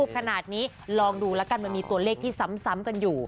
ขนาดนี้ลองดูละกันมีตัวเลขซ้ำกันอยู่